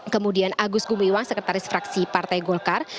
kemudian agus gumiwang sekretaris fraksi partai golkar